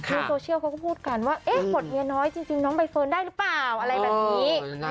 ในโซเชียลเขาก็พูดกันว่าเอ๊ะบทเมียน้อยจริงน้องใบเฟิร์นได้หรือเปล่าอะไรแบบนี้